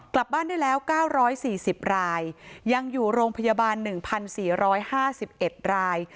กลับบ้านได้แล้ว๙๔๐รายยังอยู่โรงพยาบาล๑๔๕๑ราย